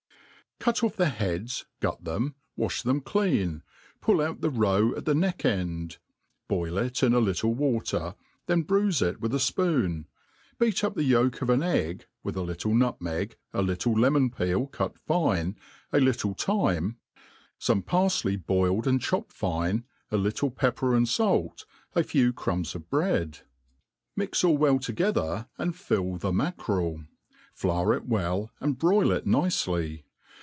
CUT off their beads, gut them, wafh them clean, puU oot the roe at the neck end, boil it in a little water, then bruife it with a fpoon, beat up (he yolk of an egg, with a little nutmegs ' a little lemon peel cut fine, a little thyme, fome parfley boiled and chopped fine, a little pepper and fair, a few crumbs of bread: mix all well together, and fill .the mackerel} flour ic well, and broil it nicely.